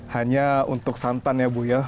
hanya untuk santan ya bu ya